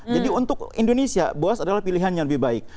jadi untuk indonesia boaz adalah pilihan yang lebih baik